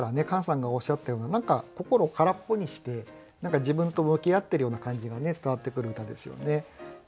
カンさんがおっしゃったような何か心を空っぽにして自分と向き合ってるような感じが伝わってくる歌ですよね。